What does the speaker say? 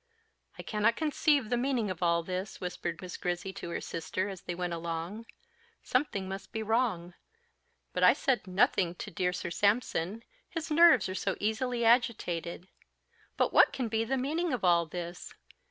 "I cannot conceive the meaning of all this," whispered Miss Grizzy to her sister as they went along. "Something must be wrong; but I said nothing to dear Sir Sampson, his nerves are so easily agitated. But what can be the meaning of all this?